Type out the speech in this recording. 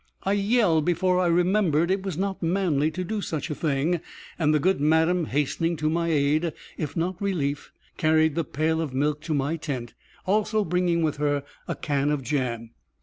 I yelled before I remembered it was not manly to do such a thing, and the good madam hastening to my aid, if not relief, carried the pail of milk to my tent, also bringing with her a can of jam.